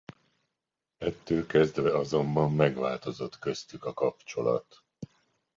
Ettől kezdve azonban megváltozott köztük a kapcsolat.